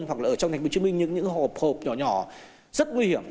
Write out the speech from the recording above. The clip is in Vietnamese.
hoặc là ở trong thành phố hồ chí minh những hộp nhỏ nhỏ rất nguy hiểm